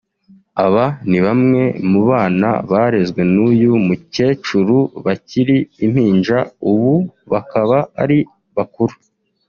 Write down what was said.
Aba ni bamwe mu bana barezwe n’uyu mukecuru bakiri impinja ubu bakaba ari bakuru